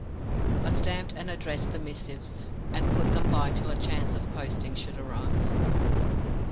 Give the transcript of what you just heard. I stamped and addressed these missives, and put them by till a chance of posting should arise.